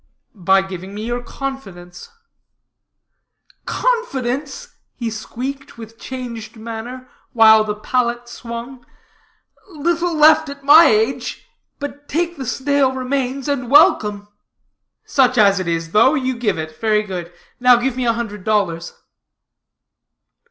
"By giving me your confidence." "Confidence!" he squeaked, with changed manner, while the pallet swung, "little left at my age, but take the stale remains, and welcome." "Such as it is, though, you give it. Very good. Now give me a hundred dollars."